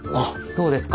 どうですか？